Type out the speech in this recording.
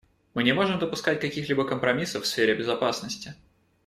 Мы не можем допускать каких-либо компромиссов в сфере безопасности.